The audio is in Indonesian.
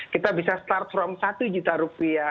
kita bisa start from satu juta rupiah